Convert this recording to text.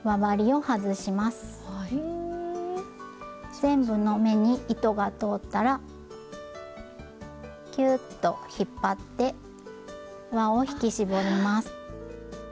全部の目に糸が通ったらキューッと引っ張って輪を引き絞ります。